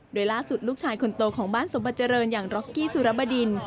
โดยล่าสุดลูกชายคนโตของบ้านสมบัติเจริญอย่างร็อกกี้สุรบดิน